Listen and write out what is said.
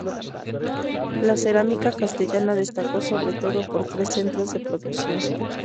La cerámica castellana destacó sobre todo por tres centros de producción.